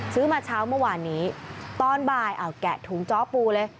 ซื้อมาเช้าเมื่อวานนี้ตอนบ่ายเอาแกะถุงจ้อปูเลย